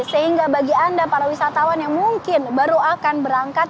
sehingga bagi anda para wisatawan yang mungkin baru akan berangkat